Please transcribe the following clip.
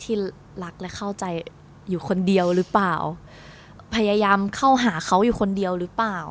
ที่รักและเข้าใจอยู่คนเดียวหรือเปล่าพยายามเข้าหาเขาอยู่คนเดียวหรือเปล่า